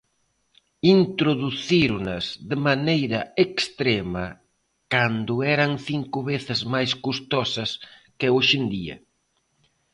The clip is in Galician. Introducíronas de maneira extrema cando eran cinco veces máis custosas que hoxe en día.